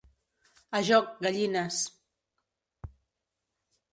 A Joc, Gallines.